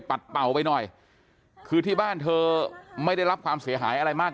เป่าไปหน่อยคือที่บ้านเธอไม่ได้รับความเสียหายอะไรมาก